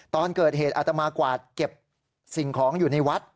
ตอนเกิดเหตุอาตมากวาดเก็บสิ่งของอยู่ในวัด